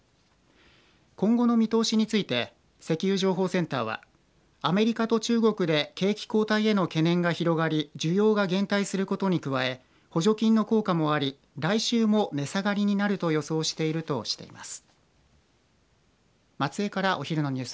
今後の見通しについて石油情報センターはアメリカと中国で景気後退への懸念が広がり需要が減退することに加え補助金の効果もあり来週も値下がりになると予想しているとしています。